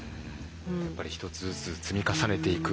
やっぱり一つずつ積み重ねていく。